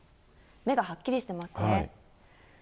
目がはっきりしてますね。